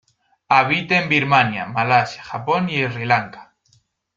Habita en Birmania, Malasia, Japón y Sri Lanka.